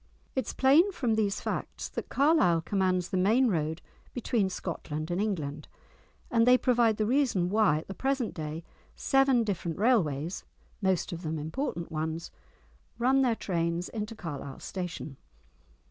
It is plain from these facts that Carlisle commands the main road between Scotland and England, and they provide the reason why at the present day seven different railways, most of them important ones, run their trains into Carlisle station.